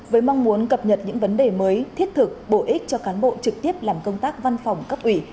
với mong muốn cập nhật những vấn đề mới thiết thực bổ ích cho cán bộ trực tiếp làm công tác văn phòng cấp ủy